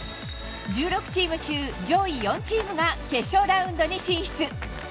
１６チーム中、上位４チームが決勝ラウンドに進出。